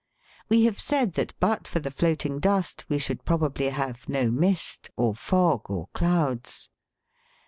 We have said that but for the floating dust we should probably have no mist, or fog, or clouds.